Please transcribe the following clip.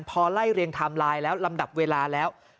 พอไล่เรียงไทม์ไลน์แล้วลำดับเวลาแล้ว